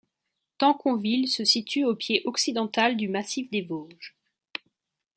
Tanconville se situe au pied occidental du massif des Vosges.